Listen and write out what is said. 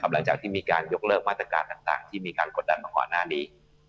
หลังจากที่มีการยกเลิกมาตรการต่างที่มีการกดดันมาก่อนหน้านี้